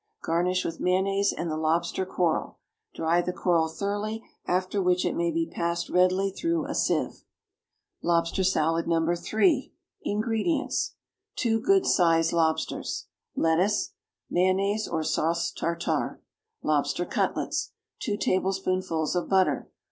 Garnish with mayonnaise and the lobster coral. Dry the coral thoroughly, after which it may be passed readily through a sieve. =Lobster Salad, No. 3.= INGREDIENTS. 2 good sized lobsters. Lettuce. Mayonnaise, or sauce tartare. Lobster cutlets. 2 tablespoonfuls of butter.